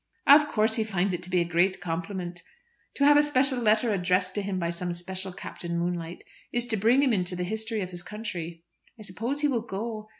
"Of course he finds it to be a great compliment. To have a special letter addressed to him by some special Captain Moonlight is to bring him into the history of his country." "I suppose he will go."